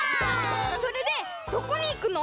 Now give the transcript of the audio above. それでどこにいくの？